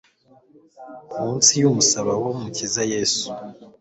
Munsi yumusaraba wumukiza Yesu